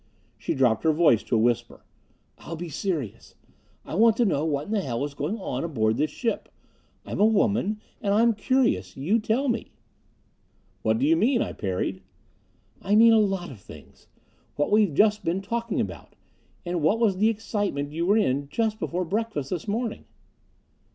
She dropped her voice to a whisper. "I'll be serious. I want to know what in the hell is going on aboard this ship. I'm a woman, and I'm curious. You tell me." "What do you mean?" I parried. "I mean a lot of things. What we've just been talking about. And what was the excitement you were in just before breakfast this morning?"